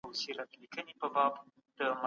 د ټولنیز پانګې جوړول ضروري دی.